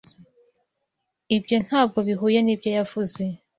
Ibyo ntabwo bihuye nibyo yavuze.